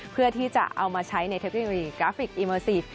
เพื่อที่จะเอามาใช้ในเทคโนโลยีกราฟิกอิเมอร์ซีก